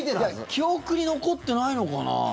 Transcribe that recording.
記憶に残ってないのかな？